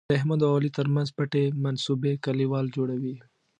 د احمد او علي تر منځ پټې منصوبې کلیوال جوړوي.